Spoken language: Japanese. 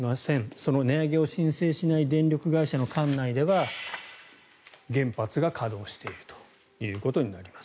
その値上げを申請しない電力会社の管内では原発が稼働しているということになります。